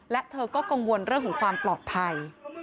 และเธอก็กังวลเรื่องของความปลอดภัย